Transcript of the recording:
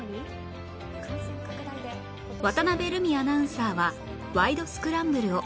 渡辺瑠海アナウンサーは『ワイド！スクランブル』を